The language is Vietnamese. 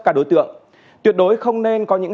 các đối tượng tuyệt đối không nên có những